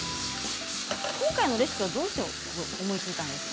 今回のレシピはどうして思いついたんですか。